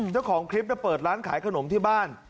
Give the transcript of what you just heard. เจ้าของคลิปเปิดร้านขายขนมที่บ้าน